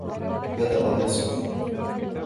بدأ يصرخ.